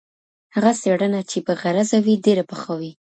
هغه څېړنه چې بې غرضه وي ډېره پخه وي.